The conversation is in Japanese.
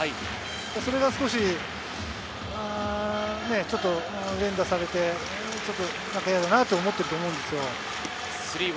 それが連打されて、なんか嫌だなと思ってると思うんですよ。